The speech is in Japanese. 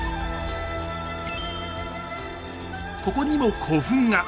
ここにも古墳が！